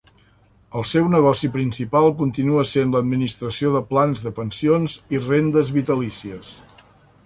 El seu negoci principal continua sent l'administració de plans de pensions i rendes vitalícies.